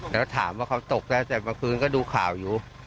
แต่ถามว่าเขาตกแล้วแต่ประมาณคืนก็ดูข่าวอยู่